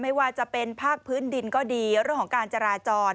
ไม่ว่าจะเป็นภาคพื้นดินก็ดีเรื่องของการจราจร